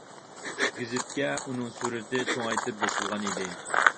گېزىتكە ئۇنىڭ سۈرىتى چوڭايتىپ بېسىلغان ئىدى.